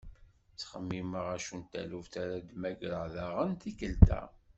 Ttxemmimeɣ acu n taluft ara d-mmagreɣ daɣen tikkelt-a.